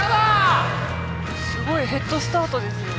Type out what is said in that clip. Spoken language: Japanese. すごいヘッドスタートですよ